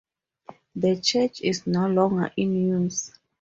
The church is no longer in use.